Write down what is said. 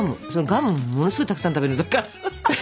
ガムものすごいたくさん食べる時ある。